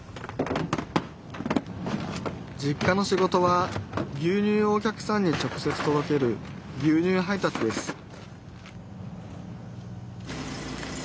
実家の仕事は牛乳をお客さんに直接とどける牛乳配達です